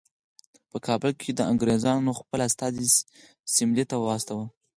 په کابل کې د انګریزانو خپل استازی سیملې ته واستاوه.